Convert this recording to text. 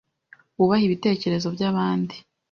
Wubahe ibitekerezo byabandi.